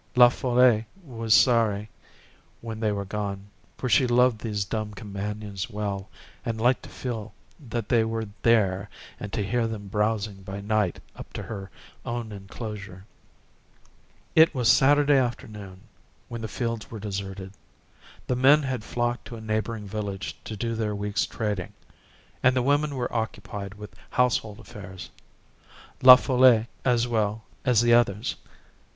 La Folle was sorry when they were gone, for she loved these dumb companions well, and liked to feel that they were there, and to hear them browsing by night up to her own enclosure. It was Saturday afternoon, when the fields were deserted. The men had flocked to a neighboring village to do their week's trading, and the women were occupied with household affairs,—La Folle as well as the others.